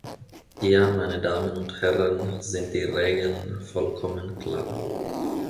Hier, meine Damen und Herren, sind die Regeln vollkommen klar.